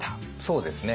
そうですね。